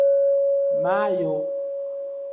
majo